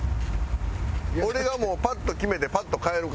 俺がもうパッと決めてパッと帰るから。